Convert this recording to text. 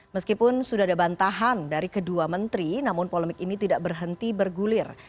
meskipun sudah ada bantahan dari kedua menteri namun polemik ini tidak berhenti bergulir